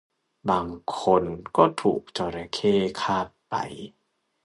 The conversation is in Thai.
บางคนก็ถูกจระเข้คาบไป